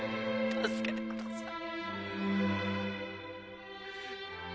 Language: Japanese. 助けてください！」